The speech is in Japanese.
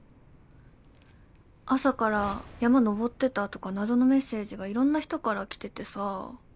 朝から「山登ってた？」とか謎のメッセージがいろんな人から来ててさ。